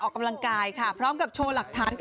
ออกกำลังกายค่ะพร้อมกับโชว์หลักฐาน